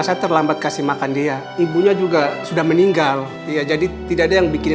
saya terlambat kasih makan dia ibunya juga sudah meninggal ya jadi tidak ada yang bikin